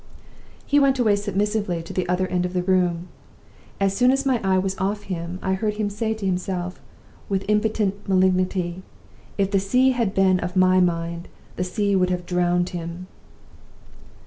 "He went away submissively to the other end of the room. As soon as my eye was off him, I heard him say to himself, with impotent malignity, 'If the sea had been of my mind, the sea would have drowned him!